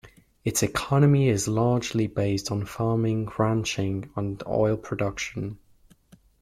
Its economy is largely based on farming, ranching and oil production.